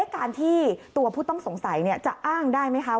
การที่ตัวผู้ต้องสงสัยจะอ้างได้ไหมคะ